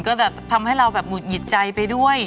ก็จะทำให้เราแบบหุดหงิดใจไปด้วย